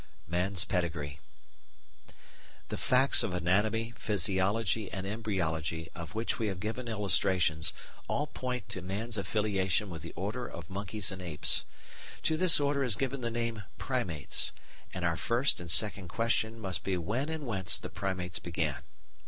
§ 3 Man's Pedigree The facts of anatomy, physiology, and embryology, of which we have given illustrations, all point to man's affiliation with the order of monkeys and apes. To this order is given the name Primates, and our first and second question must be when and whence the Primates began.